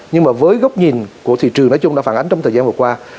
nhưng mà với góc nhìn của thị trường nói chung đã phản ánh trong thời gian vừa qua